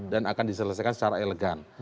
dan akan diselesaikan secara elegan